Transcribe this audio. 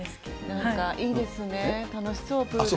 なんかいいですね、楽しそう、プール。